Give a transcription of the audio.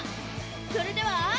それでは。